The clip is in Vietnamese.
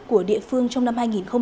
của địa phương việt nam